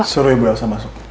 suruh ibu elsa masuk